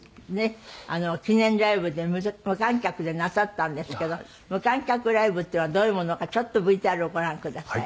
記念ライブで無観客でなさったんですけど無観客ライブっていうのはどういうものかちょっとＶＴＲをご覧ください。